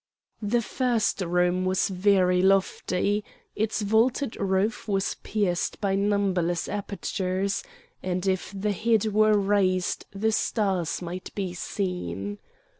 The first room was very lofty; its vaulted roof was pierced by numberless apertures, and if the head were raised the stars might be seen.